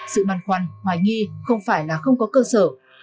sự băn khoăn hoài nghi không phải là không có cơ sở